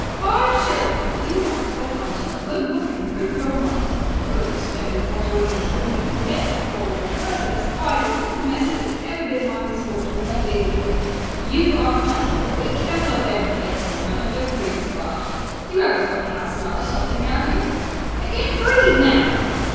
Five shillings what you might have spent on some good book and improved your mind! And goodness knows it wants all the improving it can get, for of all the worthless, idle little messers it's ever been my misfortune to have dealings with, you are the champion. Be careful of them plates, young man, and don't breathe so hard. You 'aven't got hasthma or something, 'ave you?" "I can't breathe now!"